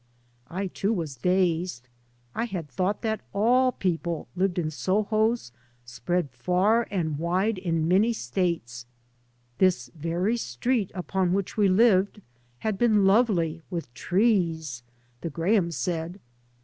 1 too was dazed. I had thought that all people lived in Sohos spread far and wide in many states. This very street upon which we lived had been lovely with trees, the Grahams said.